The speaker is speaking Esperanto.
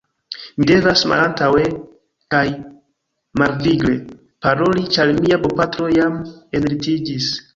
Mi devas mallaŭte kaj malvigle paroli ĉar mia bopatro jam enlitiĝis!